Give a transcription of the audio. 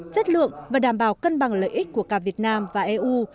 chất lượng và đảm bảo cân bằng lợi ích của cả việt nam và eu